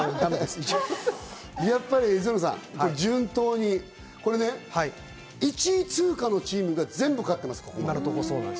やっぱりぞのさん、順当に１位通過のチームが全部勝ってます、ここまで。